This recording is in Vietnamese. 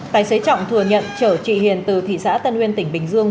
tài xế trọng thừa nhận chở chị hiền từ thị xã tân uyên tỉnh bình dương